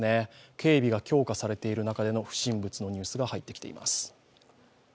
警備が強化されている中での不審物のニュースが入ってきています。